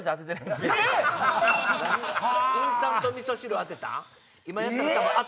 インスタントみそ汁当てた？